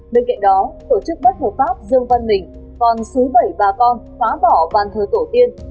bên cạnh đó tổ chức bất hợp pháp dương văn mỉnh còn xú bẩy bà con khóa bỏ bàn thờ tổ tiên